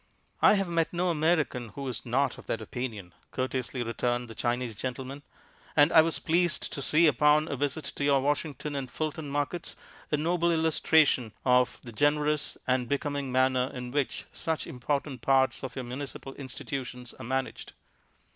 "I have met no American who is not of that opinion," courteously returned the Chinese gentleman, "and I was pleased to see upon a visit to your Washington and Fulton markets a noble illustration of the generous and becoming manner in which such important parts of your municipal institutions are managed."